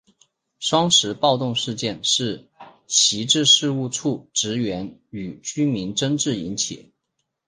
双十暴动事件是徙置事务处职员与居民争执引起。